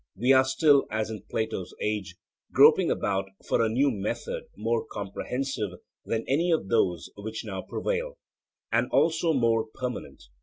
We are still, as in Plato's age, groping about for a new method more comprehensive than any of those which now prevail; and also more permanent.